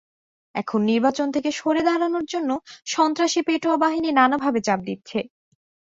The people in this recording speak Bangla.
এখন নির্বাচন থেকে সরে দাঁড়ানোর জন্য সন্ত্রাসী পেটোয়া বাহিনী নানাভাবে চাপ দিচ্ছে।